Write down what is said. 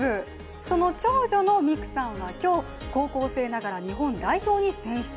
その長女の美空さんは今日高校生ながら日本代表に選出。